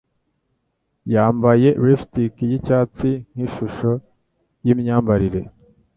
Yambaye lipstick yicyatsi nkishusho yimyambarire.